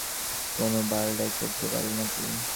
কোনো বালডাই করতে পারবি না তুই!